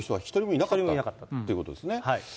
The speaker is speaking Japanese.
一人もいなかったということですね。